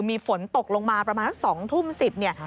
มีฝนตกลงมาประมาณสัก๒ทุ่ม๑๐เนี่ย